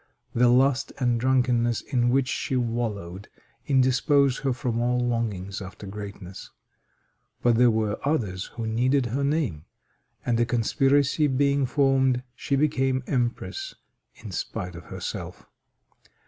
The lust and drunkenness in which she wallowed indisposed her from all longings after greatness. But there were others who needed her name, and a conspiracy being formed, she became empress in spite of herself.